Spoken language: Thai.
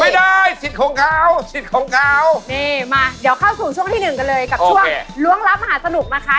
มาเดี๋ยวเข้าสู่ช่วงที่๑กันเลยกับช่วงล้วงรับมหาสนุกนะคะ